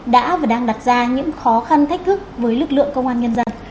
đã và đang đặt ra những khó khăn thách thức với lực lượng công an nhân dân